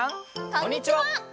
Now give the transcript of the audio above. こんにちは！